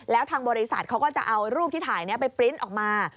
แล้วทางบริษัทเขาก็จะเอารูปที่ถ่ายนี้ไปปริ้นต์ออกมา